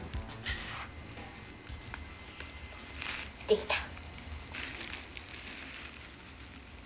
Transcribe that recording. できた！